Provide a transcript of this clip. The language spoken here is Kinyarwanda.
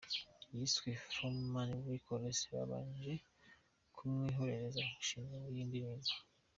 yiswe ‘Fourth Man Records’ babanje kumwoherereza umushinga w’iyo ndirimbo